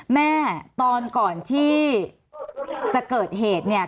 แม่ตอนก่อนที่จะเกิดเหตุเนี่ย